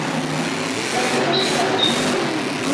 قرمزش خیلی قشنگ بود